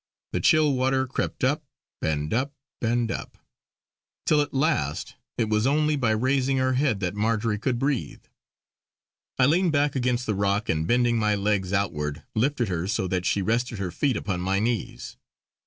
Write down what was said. The chill water crept up, and up, and up; till at last it was only by raising her head that Marjory could breathe. I leaned back against the rock and bending my legs outward lifted her so that she rested her feet upon my knees.